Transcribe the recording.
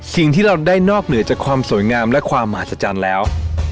สิ่งที่เราได้นอกเหนือจากความสวยงามและความมหาศจรรย์แล้ว